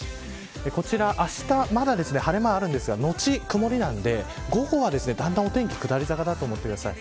こちら、あしたまだ晴れ間あるんですがのち曇りなんで午後はだんだんお天気が下り坂と思ってください。